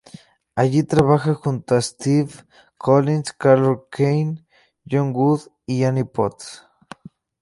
Allí trabaja junto a Stephen Collins, Carol Kane, John Wood y Annie Potts.